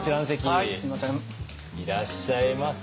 いらっしゃいませ。